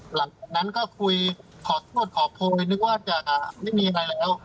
หลังจากนั้นก็คุยขอโทษขอโพงเลยนึกว่าจะไม่มีอะไรแล้ว